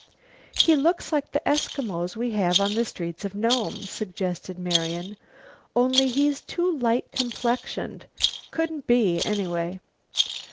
"He looks like the Eskimos we have on the streets of Nome," suggested Marian, "only he's too light complexioned. Couldn't be, anyway."